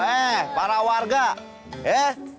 eh para warga eh